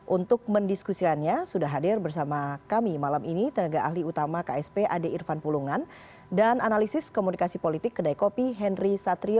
untuk mendiskusiannya sudah hadir bersama kami malam ini tenaga ahli utama ksp ade irfan pulungan dan analisis komunikasi politik kedai kopi henry satrio